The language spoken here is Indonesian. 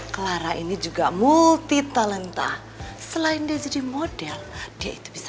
clara ini juga multi talenta selainverdi model diagonal tergantung nyanyi lo ha bisa